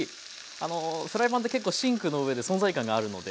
あのフライパンって結構シンクの上で存在感があるので。